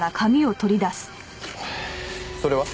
それは？